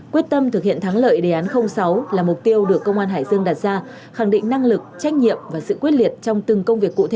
quyết tâm thực hiện thắng lợi đề án sáu là mục tiêu được công an hải dương đặt ra khẳng định năng lực trách nhiệm và sự quyết liệt trong từng công việc cụ thể